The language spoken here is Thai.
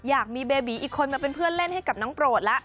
อยากมีเบบีอีกคนมาเป็นเพื่อนเล่นให้กับน้องโปรดแล้ว